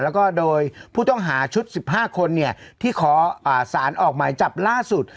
แล้วก็โดยผู้ต้องหาชุด๑๕คนที่ขอสารออกหมายจับล่าสุด